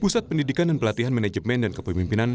pusat pendidikan dan pelatihan manajemen dan kepemimpinan